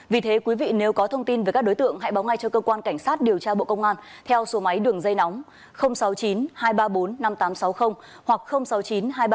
vì thế quý vị nếu có thông tin về các đối tượng hãy báo ngay cho cơ quan cảnh sát điều tra bộ công an theo số máy đường dây nóng sáu mươi chín hai trăm ba mươi bốn năm nghìn tám trăm sáu mươi hoặc sáu mươi chín hai trăm ba mươi hai một nghìn sáu trăm bảy